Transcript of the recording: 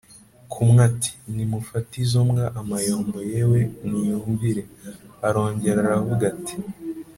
kumwe ati: “nimufate izo mbwa amayombo yewe niyumvire.” arongera aravuga ati: